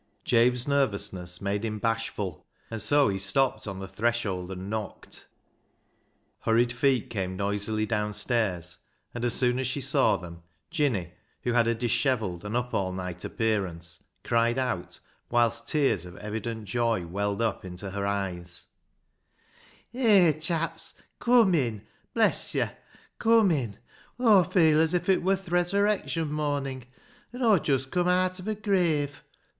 Jabe's nervousness made him bashful, and so he stopped on the threshold and knocked. Hurried feet came noisily downstairs, and as soon as she saw them. Jinny, who had a dis hevelled and up all night appearance, cried out, whilst tears of evident joy welled up into her eyes —" Hay, chaps, come in ; bless yo', come in. Aw feel as if it wur th' resurrection mornin', an' Aw'd just come aat of a grave.